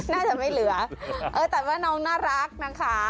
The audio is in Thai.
น่าจะไม่เหลือแต่ว่าน้องน่ารักนะคะ